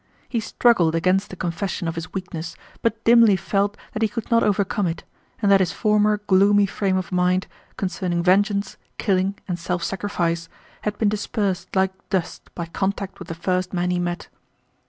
He struggled against the confession of his weakness but dimly felt that he could not overcome it and that his former gloomy frame of mind, concerning vengeance, killing, and self sacrifice, had been dispersed like dust by contact with the first man he met.